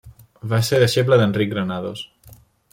Va ser deixeble d'Enric Granados.